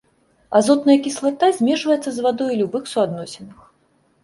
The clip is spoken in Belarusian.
Азотная кіслата змешваецца з вадой у любых суадносінах.